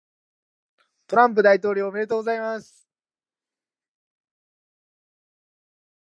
The title of Bouton's book was reportedly based on a quote from Bridges.